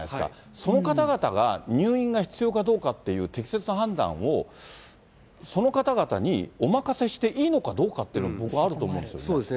その方々が入院が必要かどうかっていう適切な判断を、その方々にお任せしていいのかどうかっていうのは、僕はあると思そうですね。